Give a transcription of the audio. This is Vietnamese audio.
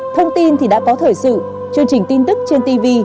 thông tin thì đã có thời sự chương trình tin tức trên tv